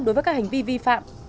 đối với các hành vi vi phạm